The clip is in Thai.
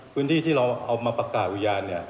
พื้นที่ที่เราเอามาประกาศอุทยาน